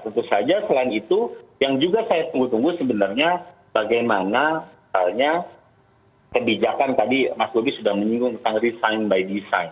tentu saja selain itu yang juga saya tunggu tunggu sebenarnya bagaimana misalnya kebijakan tadi mas bobi sudah menyinggung tentang resign by design